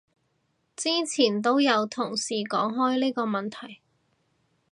之前都有同事講開呢個問題